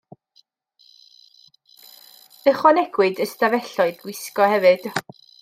Ychwanegwyd ystafelloedd gwisgo hefyd.